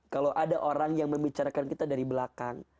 kalau ada orang yang membicarakan kita dari belakang